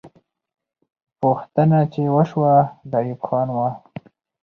پوښتنه چې وسوه، د ایوب خان وه.